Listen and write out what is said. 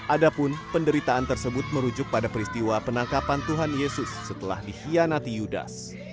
adapun penderitaan tersebut merujuk pada peristiwa penangkapan tuhan yesus setelah dihianati yudas